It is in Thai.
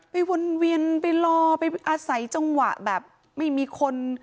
วนเวียนไปรอไปอาศัยจังหวะแบบไม่มีคน